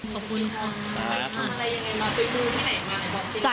ขอบคุณค่ะ